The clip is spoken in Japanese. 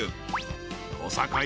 ［小堺。